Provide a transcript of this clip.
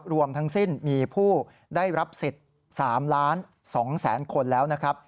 รวมทั้งสิ้นมีผู้ได้รับสิทธิ์๓ล้าน๒แสนคนแล้วนะครับ